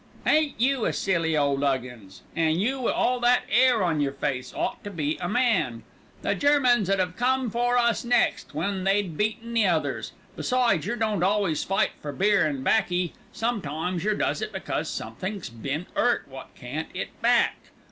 "Ain't you a silly ole 'uggins! an' you wi' all that 'air on yer face ought to be a man. The Germans 'ud 'ave come for us next, when they'd beaten the others. Besides, yer don't always fight for beer an' baccy; sometimes yer does it because somethink's bein' 'urt wot can't 'it back.